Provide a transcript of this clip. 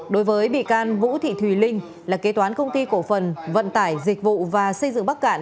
đối với bị can vũ thị thùy linh là kế toán công ty cổ phần vận tải dịch vụ và xây dựng bắc cạn